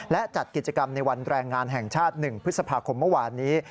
และจัดกิจกรรมในวันแรงงานแห่งชาติ๑พฤษภาคมเมื่อวานนี้